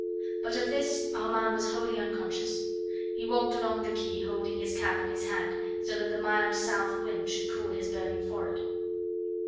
But of this Armand was wholly unconscious. He walked along the quay holding his cap in his hand, so that the mild south wind should cool his burning forehead.